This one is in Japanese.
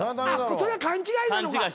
それは勘違いなのか。